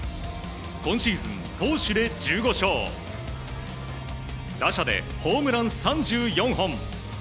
今シーズン、投手で１５勝打者でホームラン３４本。